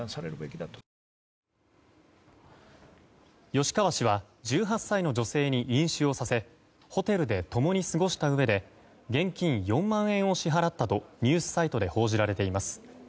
吉川氏は１８歳の女性に飲酒をさせホテルで共に過ごしたうえで現金４万円を支払ったとニュースサイトで報じられています。